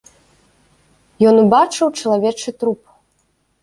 Ён убачыў чалавечы труп.